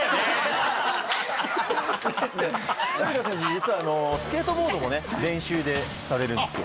実はスケートボードも練習でされるんですよ。